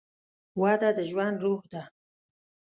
وده د ژوند روح ده.